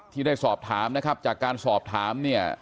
ที่ได้สอบถามนะครับจากการสอบถามเนี่ย